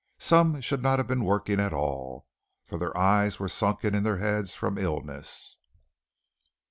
Some should not have been working at all, for their eyes were sunken in their heads from illness.